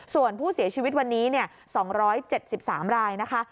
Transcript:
ส่วนผู้เสียชีวิตวันนี้๒๗๓รายนะคะ